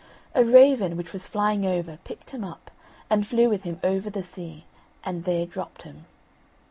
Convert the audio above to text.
A raven, which was flying over, picked him up, and flew with him over the sea, and there dropped him.